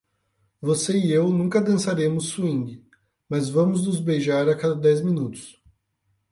Você e eu nunca dançaremos swing, mas vamos nos beijar a cada dez minutos.